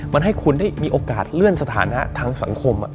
มันให้คุณได้มีโอกาสเลื่อนสถานะทางสังคม